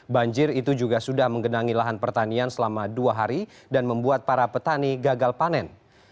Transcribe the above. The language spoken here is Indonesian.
banjir itu juga sudah menggenangi lahan pertanian selama dua hari dan membuat para petani gagal panen